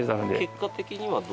結果的にはどう。